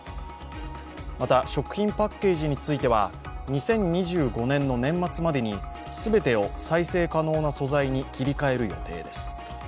また、食品パッケージについては、２０２５年の年末までに全てを再生可能な素材に切り替える予定です。